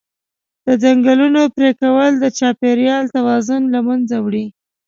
د ځنګلونو پرېکول د چاپېریال توازن له منځه وړي.